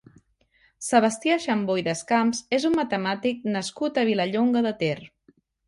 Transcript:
Sebastià Xambó i Descamps és un matemàtic nascut a Vilallonga de Ter.